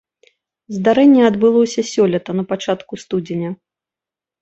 Здарэнне адбылося сёлета на пачатку студзеня.